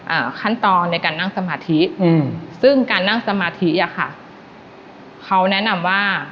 อ่าขั้นตอนในการนั่งสมาธิอืมซึ่งการนั่งสมาธิอ่ะค่ะเขาแนะนำว่า